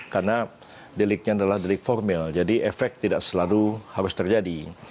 karena deliknya adalah delik formil jadi efek tidak selalu harus terjadi